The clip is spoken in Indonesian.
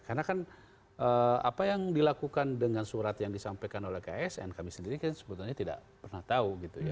karena kan apa yang dilakukan dengan surat yang disampaikan oleh ksn kami sendiri kan sebetulnya tidak pernah tahu gitu ya